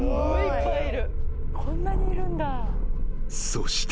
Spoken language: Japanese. ［そして］